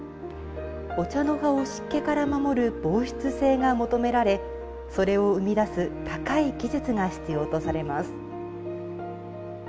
お茶の葉を湿気から守る防湿性が求められそれを生み出す高い技術が必要とされます。